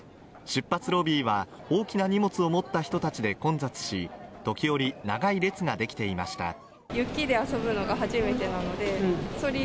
出発ロビーは大きな荷物を持った人たちで混雑し、時折長い列ができていました。